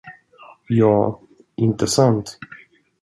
Ja, inte sant?